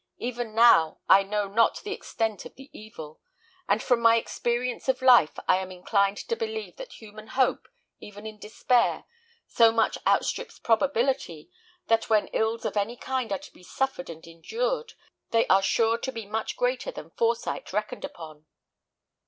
Even now, I know not the extent of the evil; and from my experience of life, I am inclined to believe that human hope, even in despair, so much outstrips probability, that when ills of any kind are to be suffered and endured, they are sure to be much greater than foresight reckoned upon."